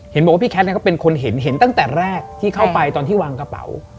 เห็นบอกว่าพี่แคทก็เป็นคนเห็นเห็นตั้งแต่แรกที่เข้าไปตอนที่วางกระเป๋า